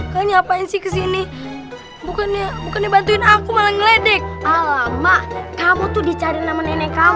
kenapa ini kesini bukannya bukan dibantuin aku malah ngledek ala mah kamu tuh dicariin nama nenek kamu